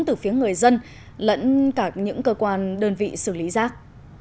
từ phía người dân lẫn cả những cơ quan đơn vị xử lý rác